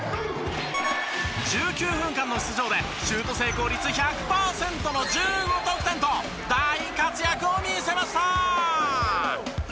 １９分間の出場でシュート成功率１００パーセントの１５得点と大活躍を見せました！